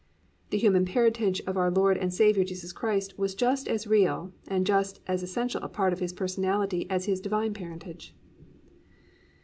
The human parentage of our Lord and Saviour Jesus Christ was just as real and just as essential a part of His personality as His divine parentage.